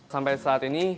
sampai saat ini